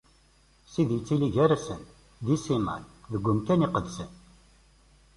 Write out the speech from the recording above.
Sidi yettili gar-asen, di Sinay, deg umkan iqedsen.